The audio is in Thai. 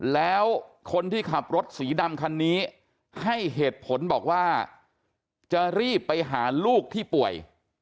แล้วคนที่ขับรถสีดำคันนี้ให้เหตุผลบอกว่าจะรีบไปหาลูกที่ป่วย